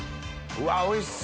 うわおいしそう。